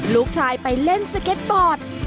ลูกชายไปเล่นสเก็ตบอร์ด